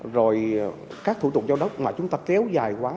rồi các thủ tục giao đất mà chúng ta kéo dài quá